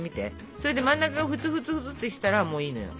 それで真ん中がふつふつふつってしたらもういいのよ。